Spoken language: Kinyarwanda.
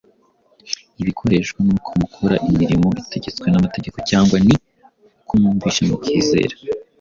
ibikoreshwa n’uko mukora imirimo itegetswe n’amategeko cyangwa ni uko mwumvise mukizera?”